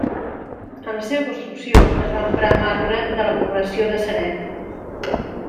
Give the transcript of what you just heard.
En la seva construcció, es va emprar marbre de la població de Ceret.